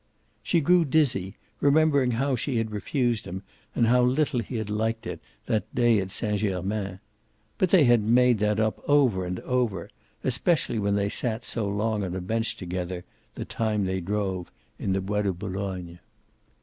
She grew dizzy, remembering how she had refused him, and how little he had liked it, that day at Saint Germain. But they had made that up over and over, especially when they sat so long on a bench together (the time they drove) in the Bois de Boulogne.